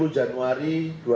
satu januari dua ribu dua puluh